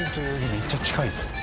めっちゃ近いぞ。